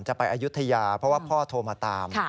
อายุทยาเพราะว่าพ่อโทรมาตาม